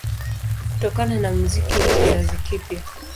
Kutokana na muziki wa kizazi kipya